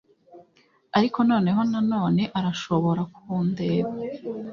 ariko noneho na none arashobora kundeba